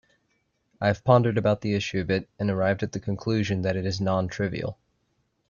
I have pondered about the issue a bit and arrived at the conclusion that it is non-trivial.